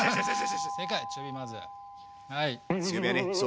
中火まず。